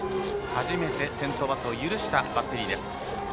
初めて先頭バッターを許したバッテリーです。